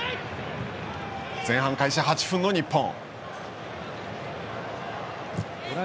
前半開始８分後、日本。